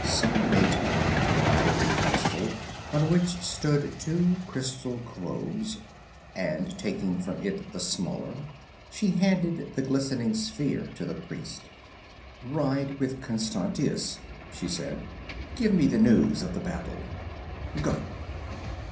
Salome turned to an ivory pedestal on which stood two crystal globes, and taking from it the smaller, she handed the glistening sphere to the priest. 'Ride with Constantius,' she said. 'Give me the news of the battle. Go!'